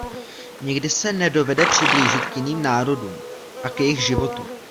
Nikdy se nedovede přiblížit k jiným národům a k jejich životu.